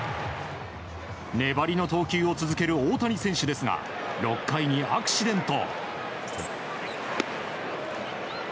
粘りの投球を続ける大谷選手ですが６回にアクシデント。